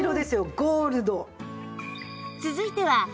ゴールド。